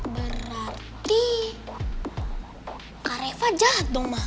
berarti kak reva jahat dong ma